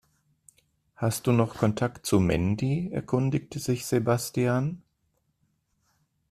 Hast du noch Kontakt zu Mandy?, erkundigte sich Sebastian.